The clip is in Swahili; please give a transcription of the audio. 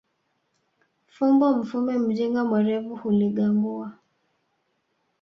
Fumbo mfumbe mjinga mwerevu huligangua